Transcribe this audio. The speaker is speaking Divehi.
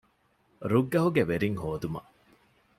ރުއްގަހުގެ ވެރިން ހޯދުމަށް